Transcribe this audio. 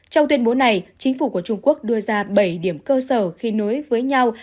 trong tuyên bố này chính phủ của trung quốc đưa ra bảy điểm cơ sở khi nối với nhau